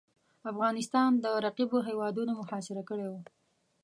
افغانستان د رقیبو هیوادونو محاصره کړی وو.